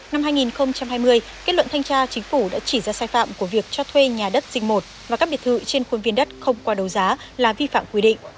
năm hai nghìn hai mươi kết luận thanh tra chính phủ đã chỉ ra sai phạm của việc cho thuê nhà đất dinh một và các biệt thự trên khuôn viên đất không qua đấu giá là vi phạm quy định